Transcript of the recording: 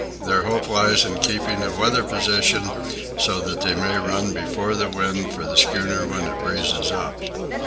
Their hope lies in keeping a weather position so that they may run before the wind for the schooner when it breezes up.